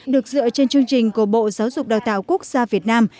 được dựa trên chương trình của bộ giáo dục đào tạo quốc gia việt nam